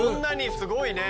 すごいね。